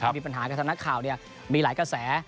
มีปัญหาแทนนักข่าวนี้มีหลายกระแส